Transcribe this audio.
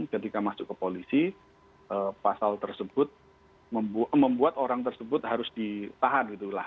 ketika masuk ke polisi pasal tersebut membuat orang tersebut harus ditahan